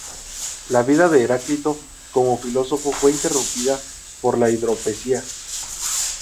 La vida de Heráclito como filósofo fue interrumpida por la hidropesía.